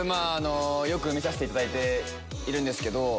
よく見させていただいてるんですけど。